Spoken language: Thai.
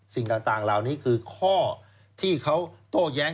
สิ่งต่างเหล่านี้คือข้อที่เขาโต้แย้ง